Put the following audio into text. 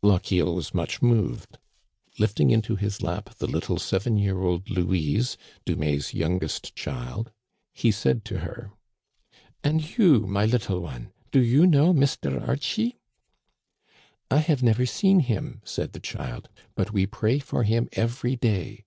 Lochiel was much moved. Lifting into his lap the little seven year old Louise, Dumais's youngest child, he said to her :" And you, my little one, do you know Mr. Archie ?" "I have never seen him," said the child, "but we pray for him every day."